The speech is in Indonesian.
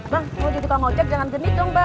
bang mau ditukar ngocok jangan jenit dong bang